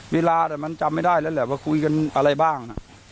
เวลาแต่มันจำไม่ได้แล้วแหละว่าคุยกันอะไรบ้าง